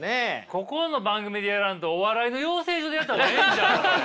ここの番組でやらんとお笑いの養成所でやった方がええんちゃうかこれ。